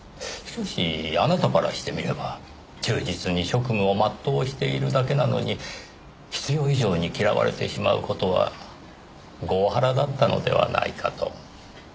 しかしあなたからしてみれば忠実に職務を全うしているだけなのに必要以上に嫌われてしまう事は業腹だったのではないかと。